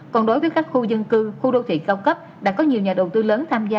còn đối với các khu dân cư khu đô thị cao cấp đã có nhiều nhà đầu tư lớn tham gia